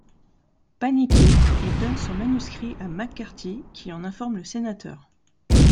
Paniqué il donne son manuscrit à McCarthy qui en informe le sénateur.